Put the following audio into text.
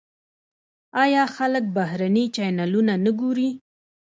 آیا خلک بهرني چینلونه نه ګوري؟